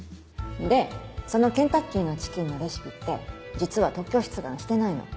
でそのケンタッキーのチキンのレシピって実は特許出願してないの。